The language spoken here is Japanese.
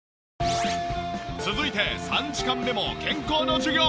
続いて３時間目も健康の授業。